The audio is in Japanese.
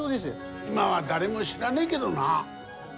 今は誰も知らねえげどな。